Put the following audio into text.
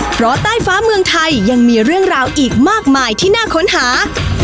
เพราะใต้ฟ้าเมืองไทยยังมีเรื่องราวอีกมากมายที่น่าค้นหา